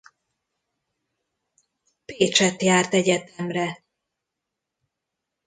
Pécsett járt egyetemre.